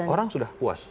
orang sudah puas